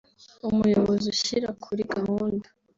umuyobozi ushyira kuri gahunda